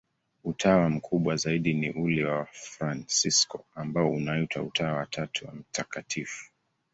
Utawa mkubwa zaidi ni ule wa Wafransisko, ambao unaitwa Utawa wa Tatu wa Mt.